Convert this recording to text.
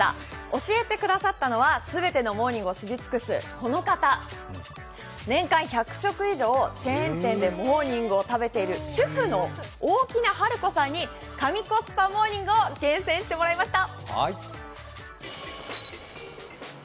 教えてくださったのは、全てのモーニングを知り尽くすこの方、年間１００食以上チェーン店でモーニングを食べている主婦の大木奈ハル子さんに神コスパモーニングを厳選してもらいました。